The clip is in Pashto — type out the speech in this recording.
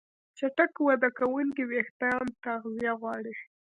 چټک وده کوونکي وېښتيان تغذیه غواړي.